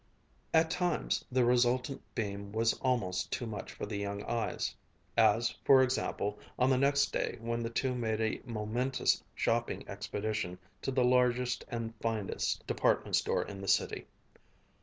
At times, the resultant beam was almost too much for the young eyes; as, for example, on the next day when the two made a momentous shopping expedition to the largest and finest department store in the city.